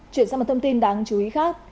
chuyển sang một thông tin đáng chú ý khác